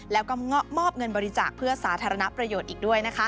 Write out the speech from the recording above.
แล้วก็มอบเงินบริจาคเพื่อสาธารณประโยชน์อีกด้วยนะคะ